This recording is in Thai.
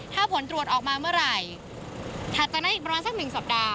ถ้าผลตรวจออกมาเมื่อไหร่ถัดจากนั้นอีกประมาณสักหนึ่งสัปดาห์